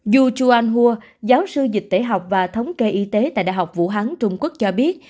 yu chuanghua giáo sư dịch tế học và thống kê y tế tại đại học vũ hán trung quốc cho biết